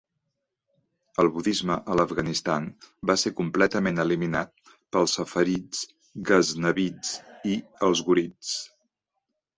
El budisme a l'Afganistan va ser completament eliminat pels Saffarids, Ghaznavids i els Ghurids.